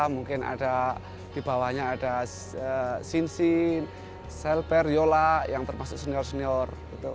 mungkin di bawahnya ada sinsi selper yola yang termasuk senior senior